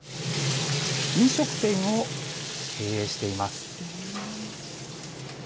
飲食店を経営しています。